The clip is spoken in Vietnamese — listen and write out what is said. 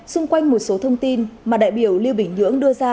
xung quanh một số thông tin mà đại biểu lưu bình nhưỡng đưa ra